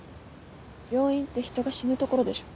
病院って人が死ぬ所でしょ？